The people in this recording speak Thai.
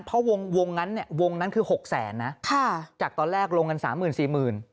เพราะวงนั้นเนี่ยวงนั้นคือหกแสนนะค่ะจากตอนแรกลงกันสามหมื่นสี่หมื่น